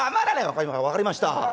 「はいはい分かりました。